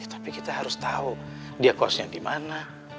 ya tapi kita harus tau dia kosnya dimana